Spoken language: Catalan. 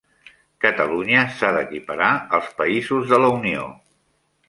Catalunya s'ha d'equiparar als països de la Unió.